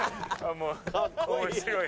「面白い」「」